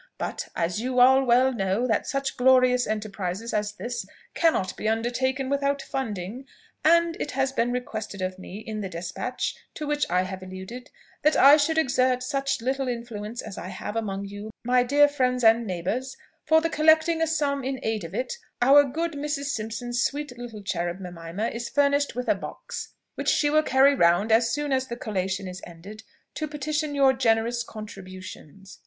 But as you all well know that such a glorious enterprise as this cannot be undertaken without funding and it has been requested of me, in the despatch to which I have alluded, that I should exert such little influence as I have among you, my dear friends and neighbours, for the collecting a sum in aid of it, our good Mrs. Simpson's sweet little cherub Mimima is furnished with a box, which she will carry round as soon as the collation is ended, to petition your generous contributions."